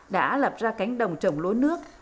đã lập ra cánh đồng trồng lúa nước